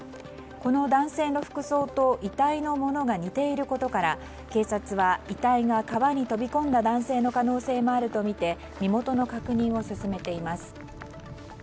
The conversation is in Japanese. この男性の服装と遺体のものが似ていることから警察は遺体が川に飛び込んだ男性の可能性もあるとみて身元の確認を進めています。